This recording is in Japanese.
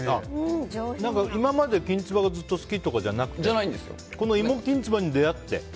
今まで、きんつばがずっと好きとかじゃなくてこの芋きんつばに出会って？